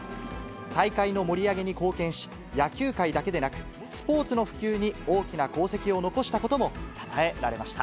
大会の盛り上げに貢献し、野球界だけでなく、スポーツの普及に大きな功績を残したことも、たたえられました。